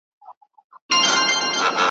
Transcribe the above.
چي خپلواک مي کړي له واک د غلامانو ,